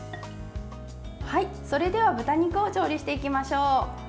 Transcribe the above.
それでは豚肉を調理していきましょう。